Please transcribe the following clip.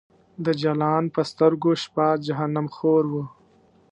د جلان په سترګو شپه جهنم خور و